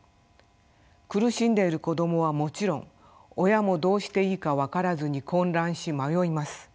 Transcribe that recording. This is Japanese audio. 苦しんでいる子どもはもちろん親もどうしていいか分からずに混乱し迷います。